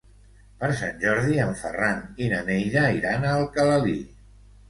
Per Sant Jordi en Ferran i na Neida iran a Alcalalí.